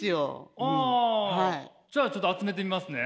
じゃあちょっと集めてみますね。